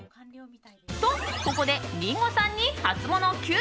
と、ここでリンゴさんにハツモノＱ！